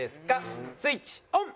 スイッチオン！